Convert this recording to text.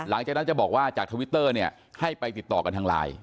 หลังจากนั้นจะบอกว่าจากทวิตเตอร์เนี่ยให้ไปติดต่อกันทางไลน์